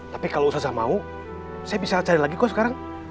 tapi kalau usaha mau saya bisa cari lagi kok sekarang